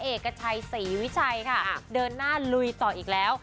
เอกชัยศรีวิชัยค่ะเดินหน้าลุยต่ออีกแล้ว